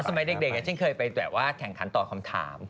ตอนสมัยเด็กเนี่ยชิคเคยไปแค่ว่าแข่งแทนตอนค้ำถาม